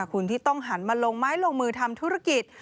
คุณที่ต้องหันมาลงไม้ลงมือทำธุรกิจ